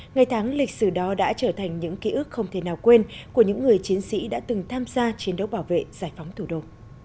ngày tháng lịch sử đó đã trở thành những ký ức không thể nào quên của những người chiến sĩ đã từng tham gia chiến đấu bảo vệ giải phóng thủ đô